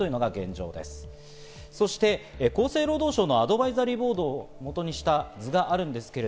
そして厚生労働省のアドバイザリーボードを元に作成した図があります。